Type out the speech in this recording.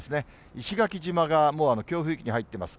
石垣島がもう強風域に入っています。